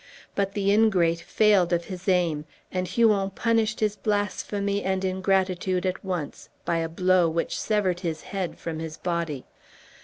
But the ingrate failed of his aim, and Huon punished his blasphemy and ingratitude at once by a blow which severed his head from his body.